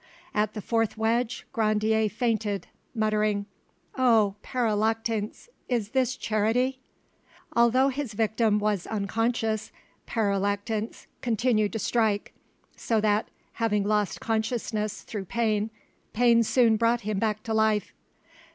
At the fourth wedge Grandier fainted, muttering— "Oh, Pere Lactance, is this charity?" Although his victim was unconscious, Pere Lactance continued to strike; so that, having lost consciousness through pain, pain soon brought him back to life.